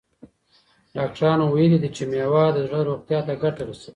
ډاکټرانو ویلي دي چې مېوه د زړه روغتیا ته ګټه رسوي.